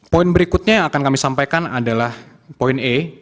poin berikutnya yang akan kami sampaikan adalah poin e